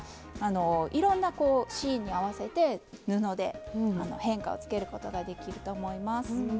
いろんなシーンに合わせて布で変化をつけることができると思います。